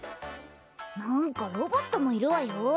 なんかロボットもいるわよ。